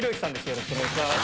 よろしくお願いします。